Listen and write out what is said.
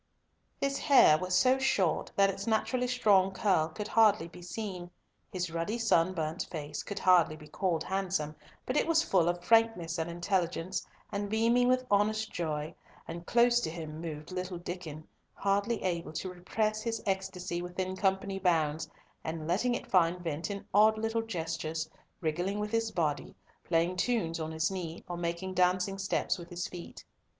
His hair was so short that its naturally strong curl could hardly be seen, his ruddy sunburnt face could hardly be called handsome, but it was full of frankness and intelligence, and beaming with honest joy, and close to him moved little Diccon, hardly able to repress his ecstasy within company bounds, and letting it find vent in odd little gestures, wriggling with his body, playing tunes on his knee, or making dancing steps with his feet.